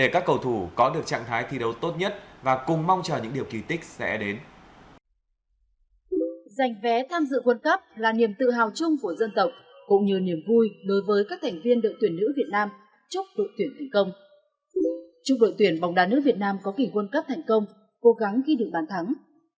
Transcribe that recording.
chúc đội tuyển bóng đá nước việt nam có kỷ quân cấp thành công cố gắng ghi đựng bàn thắng